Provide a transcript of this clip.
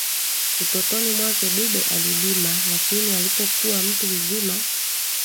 Utotoni mwake Dube alilima lakini alipokuwa mtu mzima